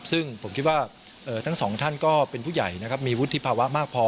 ซึ่งผมคิดว่าทั้งสองท่านก็เป็นผู้ใหญ่นะครับมีวุฒิภาวะมากพอ